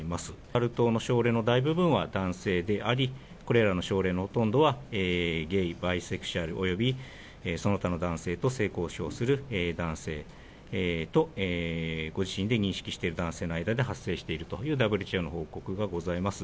サル痘の症例の大部分は男性であり、これらの症例のほとんどはゲイ、バイセクシャル、およびその他の男性と性交渉する男性と、ご自身で認識している男性の間で発生しているという、ＷＨＯの報告がございます。